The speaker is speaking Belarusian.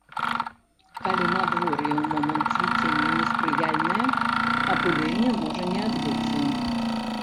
Калі надвор'е ў момант цвіцення неспрыяльнае, апыленне можа не адбыцца.